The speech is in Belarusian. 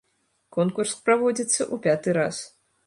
Конкурс праводзіцца ў пяты раз.